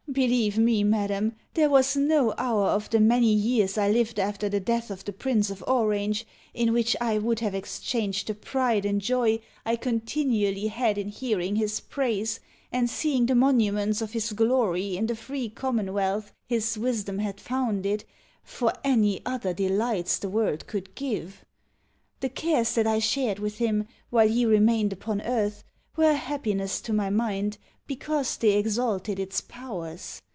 Believe me, madam, there was no hour of the many years I lived after the death of the Prince of Orange, in which I would have exchanged the pride and joy I continually had in hearing his praise, and seeing the monuments of his glory in the free commonwealth his wisdom had founded, for any other delights the world could give. The cares that I shared with him, while he remained upon earth, were a happiness to my mind, because they exalted its powers.